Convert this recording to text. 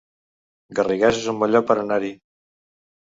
Garrigàs es un bon lloc per anar-hi